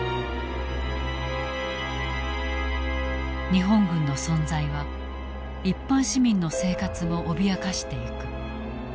日本軍の存在は一般市民の生活も脅かしていく。